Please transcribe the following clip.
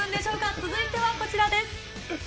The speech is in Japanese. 続いてはこちらです。